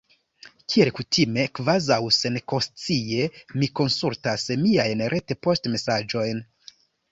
Kiel kutime, kvazaŭ senkonscie, mi konsultas miajn retpoŝtmesaĝojn.